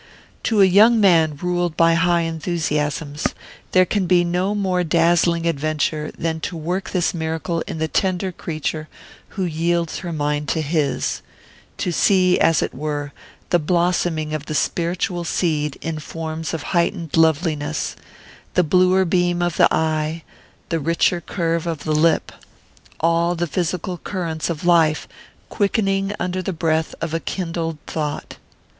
To a young man ruled by high enthusiasms there can be no more dazzling adventure than to work this miracle in the tender creature who yields her mind to his to see, as it were, the blossoming of the spiritual seed in forms of heightened loveliness, the bluer beam of the eye, the richer curve of the lip, all the physical currents of life quickening under the breath of a kindled thought.